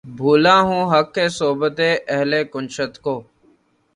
بھولا ہوں حقِ صحبتِ اہلِ کنشت کو